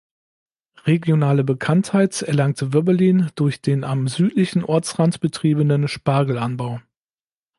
Regionale Bekanntheit erlangt Wöbbelin durch den am südlichen Ortsrand betriebenen Spargelanbau.